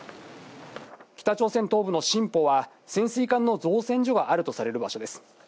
北朝鮮東部のシンポは、潜水艦の造船所があるとされる場所です。